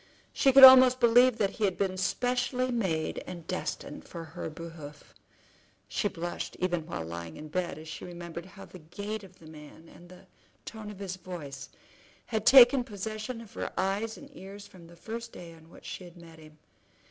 She could almost believe that he had been specially made and destined for her behoof. She blushed even while lying in bed as she remembered how the gait of the man, and the tone of his voice, had taken possession of her eyes and ears from the first day on which she had met him.